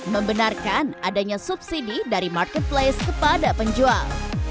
membenarkan adanya subsidi dari marketplace kepada penjual